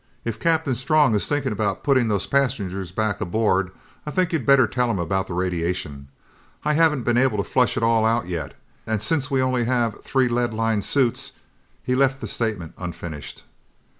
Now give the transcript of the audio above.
"If Captain Strong is thinking about putting those passengers back aboard, I think you'd better tell him about the radiation. I haven't been able to flush it all out yet. And since we only have three lead lined suits...." He left the statement unfinished.